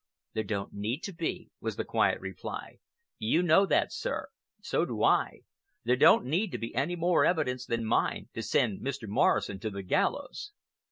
"There don't need to be," was the quiet reply. "You know that, sir. So do I. There don't need to be any more evidence than mine to send Mr. Morrison to the gallows."